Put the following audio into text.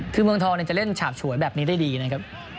คือเมืองทองจะเล่นฉาบฉวยแบบนี้ได้ดีนะครับ